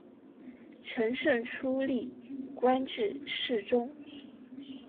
承圣初历官至侍中。